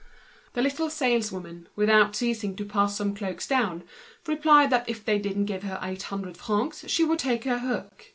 The little saleswoman, without ceasing to pass some cloaks down, replied that if they didn't give her eight hundred francs she would take her hook.